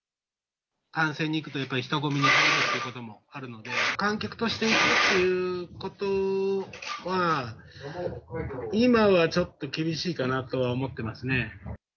感染に行くと、やっぱり人混みに入るということもあるので、観客として行くっていうことは今はちょっと厳しいかなとは思ってますね。